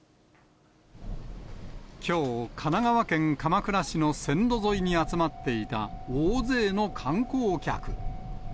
きょう、神奈川県鎌倉市の線路沿いに集まっていた、大勢の観光客。